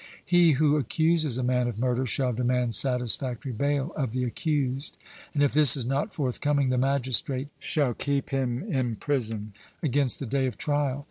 He who accuses a man of murder shall demand satisfactory bail of the accused, and if this is not forthcoming, the magistrate shall keep him in prison against the day of trial.